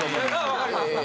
分かります。